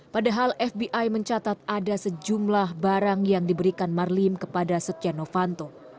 padahal fbi mencatat ada sejumlah barang yang diberikan marlim kepada setia novanto